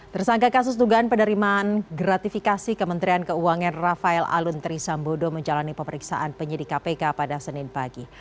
tersangka kasus dugaan penerimaan gratifikasi kementerian keuangan rafael alun trisambodo menjalani pemeriksaan penyidik kpk pada senin pagi